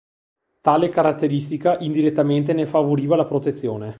Tale caratteristica indirettamente ne favoriva la protezione.